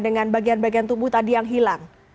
dengan bagian bagian tubuh tadi yang hilang